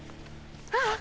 あっ！